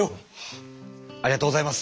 ありがとうございます。